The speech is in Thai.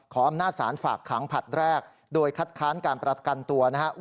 อำนาจสารฝากขังผลัดแรกโดยคัดค้านการประกันตัวนะครับ